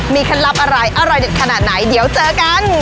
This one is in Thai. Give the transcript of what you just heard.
เคล็ดลับอะไรอร่อยเด็ดขนาดไหนเดี๋ยวเจอกัน